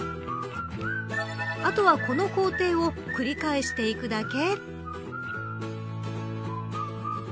あとは、この工程を繰り返していくだけ。